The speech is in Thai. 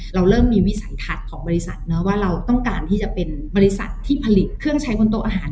เราเริ่มมีวิสัยทัศน์ของบริษัทเนอะว่าเราต้องการที่จะเป็นบริษัทที่ผลิตเครื่องใช้บนโต๊ะอาหาร